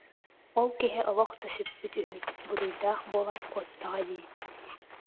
Ол киһи олох да сүппүт үһү, буруйдаах буолан куоттаҕа дии